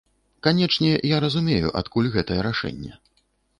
Канечне, я разумею, адкуль гэтае рашэнне.